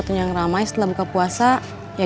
emangnya gelirannya apa sekarang